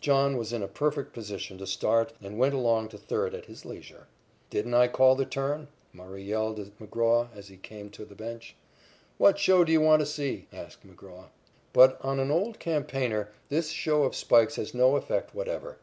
John was in a perfect position to start and went along to third at his leisure. "Didn't I call the turn?" Murray yelled at McGraw as he came to the bench. "What show do you want to see?" asked McGraw. But on an old campaigner this show of spikes has no effect whatever.